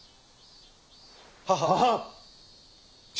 ははっ！